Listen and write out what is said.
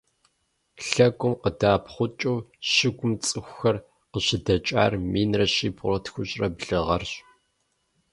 Лъэгум къыдэӏэпхъукӏыу щыгум цӏыхухэр къыщыдэкӏар минрэ щибгъурэ тхущӏрэ блы гъэрщ.